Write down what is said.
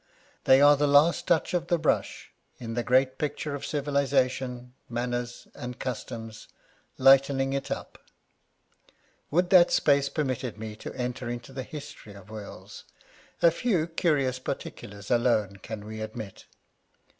They are the last touch of the brush in the great picture of civilisation, manners, and customs, lightening it up. Would that space permitted me to enter into the history of wills : a few curious particulars alone can we admit.